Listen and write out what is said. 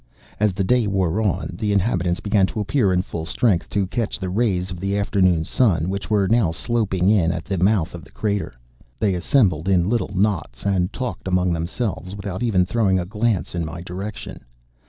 As the day wore on, the inhabitants began to appear in full strength to catch the rays of the afternoon sun, which were now sloping in at the mouth of the crater. They assembled in little knots, and talked among themselves without even throwing a glance in my direction.